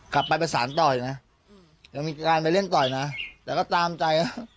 กลับไปไปสารต่อยนะอืมยังมีการไปเล่นต่อยนะแต่ก็ตามใจน่ะ